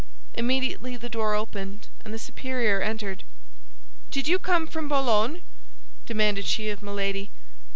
Immediately the door opened, and the superior entered. "Did you come from Boulogne?" demanded she of Milady.